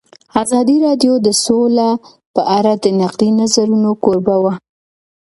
ازادي راډیو د سوله په اړه د نقدي نظرونو کوربه وه.